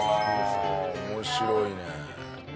面白いね。